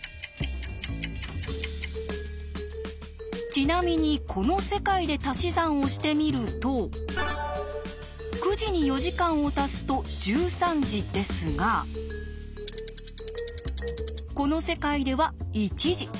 ちなみにこの世界で足し算をしてみると９時に４時間を足すと１３時ですがこの世界では１時。